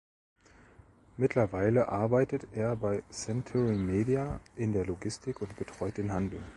Mittlerweile arbeitet er bei Century Media in der Logistik und betreut den Handel.